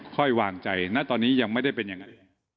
ค่อยวางใจณตอนนี้ยังไม่ได้เป็นยังไง